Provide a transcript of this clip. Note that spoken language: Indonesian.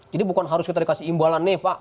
jadi bukan harus kita dikasih imbalan nih pak